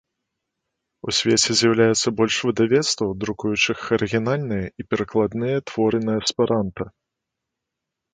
У свеце з'яўляецца больш выдавецтваў, друкуючых арыгінальныя і перакладныя творы на эсперанта.